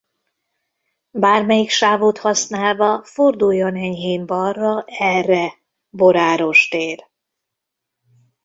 Bármelyik sávot használva forduljon enyhén balra erre: Boráros tér.